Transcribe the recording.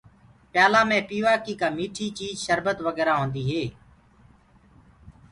پيآلآ مي پيوآ ڪي ڪآ مٺي چيٚج سربت وگيرا هوندو هي۔